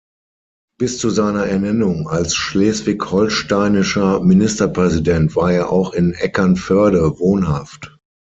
Bis zu seiner Ernennung als schleswig-holsteinischer Ministerpräsident war er auch in Eckernförde wohnhaft.